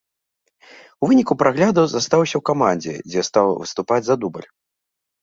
У выніку прагляду застаўся ў камандзе, дзе стаў выступаць за дубль.